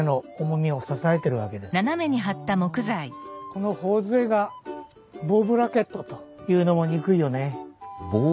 この頬杖がボウブラケットというのも憎いよねえ。